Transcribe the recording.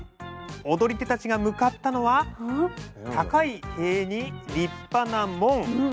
踊り手たちが向かったのは高い塀に立派な門。